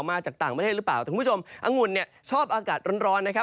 มาจากต่างประเทศหรือเปล่าแต่คุณผู้ชมอังุ่นเนี่ยชอบอากาศร้อนนะครับ